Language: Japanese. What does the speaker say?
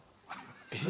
・えっ？